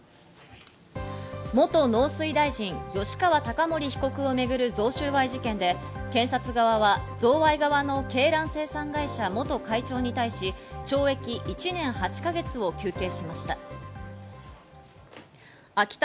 元農水大臣・吉川貴盛被告を巡る贈収賄事件で検察側は贈賄側の鶏卵生産会社元会長に対し、懲役１年８か月を求刑しました。